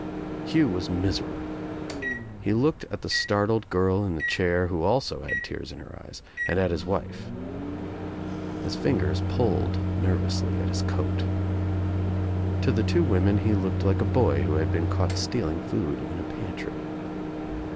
Hugh was miserable. He looked at the startled girl in the chair who also had tears in her eyes, and at his wife. His fingers pulled nervously at his coat. To the two women he looked like a boy who had been caught stealing food in a pantry.